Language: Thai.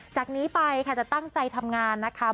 จากนี้ไปค่ะจะตั้งใจทำงานนะคะ